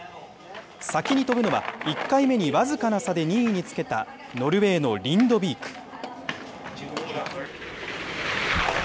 先に飛ぶのは、１回目に僅かな差で２位につけたノルウェーのリンドビーク。